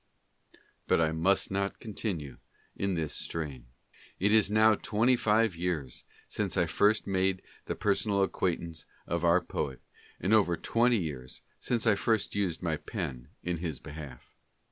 But I must not con tinue in this strain. It is now twenty five years since I first made the personal ac quaintance of our poet, and over twenty years since I first used my pen in his behalf.